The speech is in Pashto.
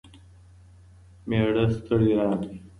مېړه ستړی راغلی